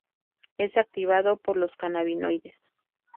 Es activado por los cannabinoides.